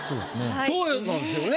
そうなんですよね。